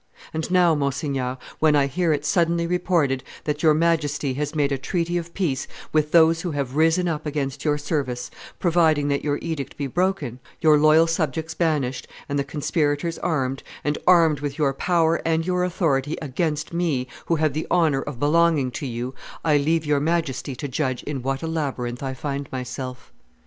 ... And now, Monseigneur, when I hear it suddenly reported that your Majesty has made a treaty of peace with those who have risen up against your service, providing that your edict be broken, your loyal subjects banished, and the conspirators armed, and armed with your power and your authority against me, who have the honor of belonging to you, I leave your Majesty to judge in what a labyrinth I find myself.